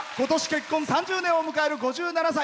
結婚３０年を迎える５７歳。